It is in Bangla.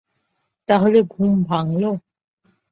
তাহলে ঘুম ভাঙ্গল!